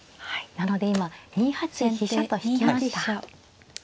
なので今２八飛車と引きました。